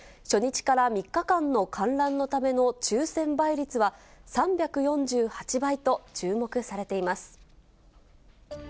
初日から３日間の観覧のための抽せん倍率は３４８倍と注目されています。